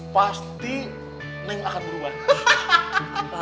pasti neng akan berubah